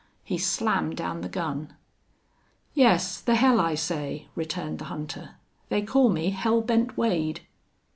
He slammed down the gun. "Yes, the hell I say," returned the hunter. "They call me Hell Bent Wade!"